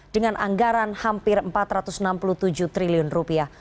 dengan anggaran hampir empat ratus enam puluh tujuh triliun rupiah